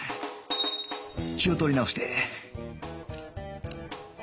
気を取り直して